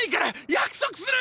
約束する！！